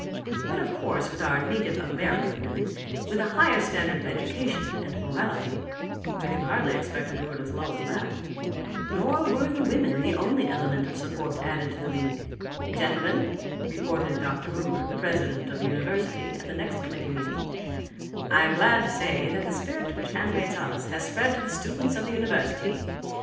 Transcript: But of course with our native American women, with a higher standard of education and morality, we can hardly expect to do it as low as that." Nor were the women the only element of support added to the league. "Gentlemen," reported Dr. Boomer, the president of the university, at the next committee meeting, "I am glad to say that the spirit which animates us has spread to the students of the university.